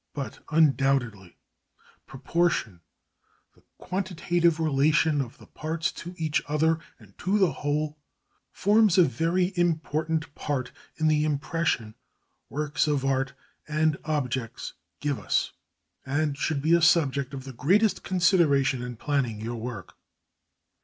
But undoubtedly proportion, the quantitative relation of the parts to each other and to the whole, forms a very important part in the impression works of art and objects give us, and should be a subject of the greatest consideration in planning your work.